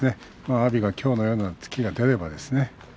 阿炎はきょうのような突きが出るかどうかですね。